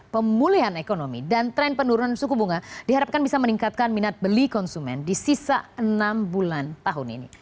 pemulihan ekonomi dan tren penurunan suku bunga diharapkan bisa meningkatkan minat beli konsumen di sisa enam bulan tahun ini